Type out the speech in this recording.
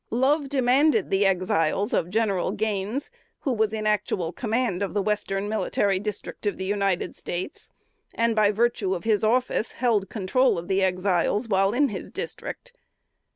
Love demanded the Exiles of General Gaines, who was in actual command of the Western Military District of the United States, and by virtue of his office held control of the Exiles while in his district.